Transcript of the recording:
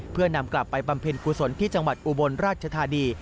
เพื่อนำกลับไปบำเพ็ญกุศลที่จังหวัดอุบลราชธานี